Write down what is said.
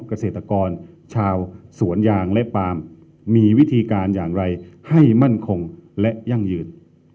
เกษตรกรชาวสวนยางและปาล์มมีวิธีการอย่างไรให้มั่นคงและยั่งยืน